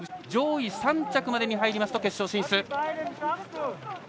上位３着までに入りますと決勝進出。